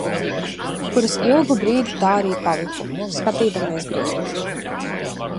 Kur es ilgu brīdi tā arī paliku, skatīdamies griestos.